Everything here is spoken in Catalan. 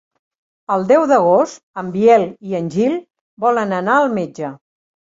El deu d'agost en Biel i en Gil volen anar al metge.